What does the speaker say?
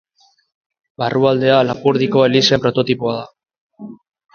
Barrualdea Lapurdiko elizen prototipoa da.